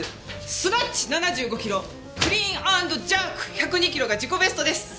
スナッチ７５キロクリーン＆ジャーク１０２キロが自己ベストです。